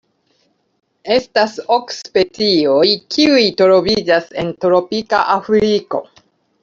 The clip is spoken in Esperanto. Estas ok specioj kiuj troviĝas en tropika Afriko.